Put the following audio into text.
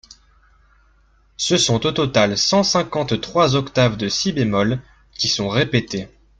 Ce sont au total cent cinquante-trois octaves de si bémol qui sont répétées.